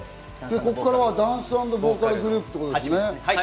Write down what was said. ここからはダンス＆ボーカルグループですね。